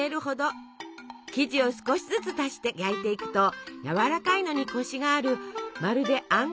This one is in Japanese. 生地を少しずつ足して焼いていくとやわらかいのにコシがあるまるであん